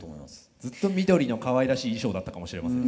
ずっと緑のかわいらしい衣装だったかもしれませんね。